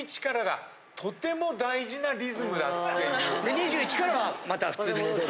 ２１からはまた普通に戻る。